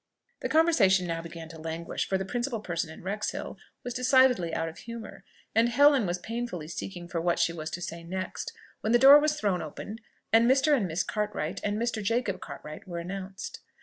The conversation now began to languish, for the principal person in Wrexhill was decidedly out of humour, and Helen was painfully seeking for what she was to say next, when the door was thrown open, and Mr. and Miss Cartwright, and Mr. Jacob Cartwright, were announced.